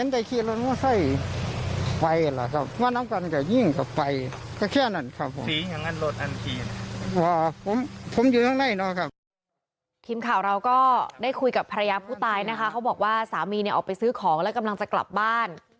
ทีมข่าวเราก็ได้คุยกับภรรยาผู้ตายนะคะเขาบอกว่าสามีเนี่ยออกไปซื้อของแล้วกำลังจะกลับบ้าน